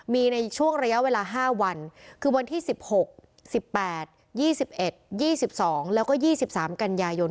มีในช่วงระยะเวลา๕วันคือวันที่๑๖๑๘๒๑๒๒แล้วก็๒๓กันยายน